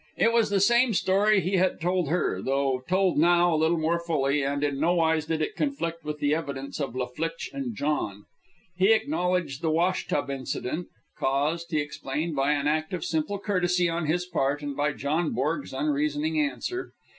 It was the same story he had told her, though told now a little more fully, and in nowise did it conflict with the evidence of La Flitche and John. He acknowledged the wash tub incident, caused, he explained, by an act of simple courtesy on his part and by John Borg's unreasoning anger.